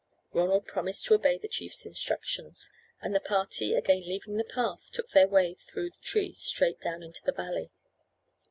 Ronald promised to obey the chief's instructions, and the party, again leaving the path, took their way through the trees straight down into the valley.